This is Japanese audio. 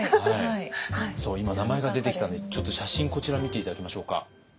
今名前が出てきたんでちょっと写真こちら見て頂きましょうか。